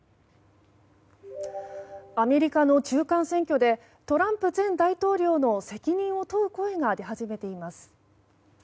アメリカの中間選挙でトランプ前大統領の責任を問う声が出始めています。